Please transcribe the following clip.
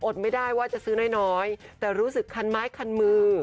แต่รู้สึกคันไม้คันมือ